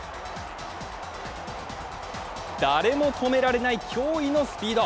誰も止められない驚異のスピード。